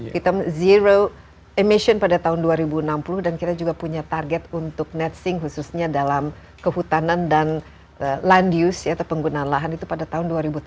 kita zero emission pada tahun dua ribu enam puluh dan kita juga punya target untuk net sink khususnya dalam kehutanan dan land use atau penggunaan lahan itu pada tahun dua ribu tiga puluh